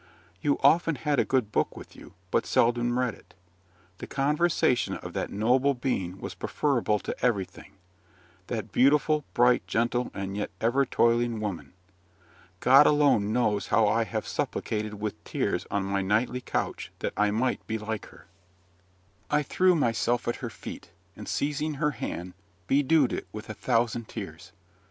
You often had a good book with you, but seldom read it; the conversation of that noble being was preferable to everything, that beautiful, bright, gentle, and yet ever toiling woman. God alone knows how I have supplicated with tears on my nightly couch, that I might be like her." I threw myself at her feet, and, seizing her hand, bedewed it with a thousand tears.